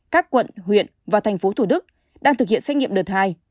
các quận huyện và thành phố thủ đức đang thực hiện xét nghiệm đợt hai